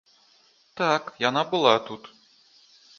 Так, яна была тут.